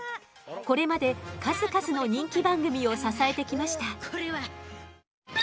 これまで数々の人気番組を支えてきました。